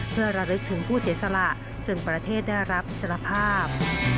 เพื่อระลึกถึงผู้เสียสละจนประเทศได้รับอิสรภาพ